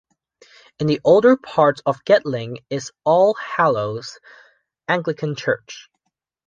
In the older part of Gedling is All Hallows Anglican Church.